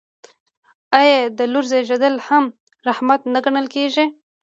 آیا د لور زیږیدل هم رحمت نه ګڼل کیږي؟